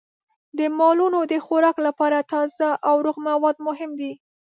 د مالونو د خوراک لپاره تازه او روغ مواد مهم دي.